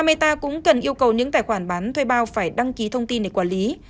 camera cũng cần yêu cầu những tài khoản bán thuê bao phải đăng ký thông tin để quản lý